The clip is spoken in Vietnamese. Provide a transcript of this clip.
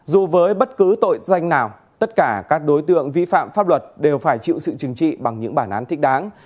dù với bất cứ tội danh nào tất cả các đối tượng vi phạm pháp luật đều phải chịu sự chừng trị bằng những bản án thích đáng